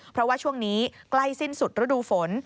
เพราะว่าช่วงนี้ใกล้สิ้นสุดฤดูฝน